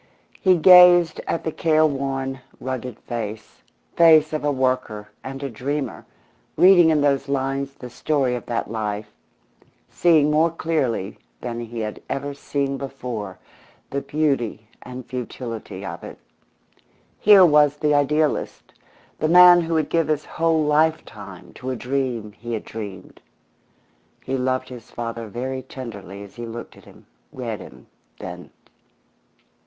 He gazed at the care worn, rugged face face of a worker and a dreamer, reading in those lines the story of that life, seeing more clearly than he had ever seen before the beauty and futility of it. Here was the idealist, the man who would give his whole lifetime to a dream he had dreamed. He loved his father very tenderly as he looked at him, read him, then.